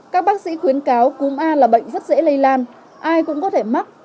các bác sĩ khuyến cáo cúm a là bệnh rất dễ lây lan ai cũng có thể mắc